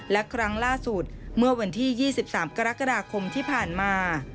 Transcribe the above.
และครั้งล่าสุดเมื่อวันที่๒๓กรกฎาคมที่ผ่านมา